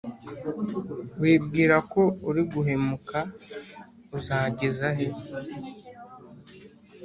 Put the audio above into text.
wibwira ko ari uguhemuka, uzageza he ?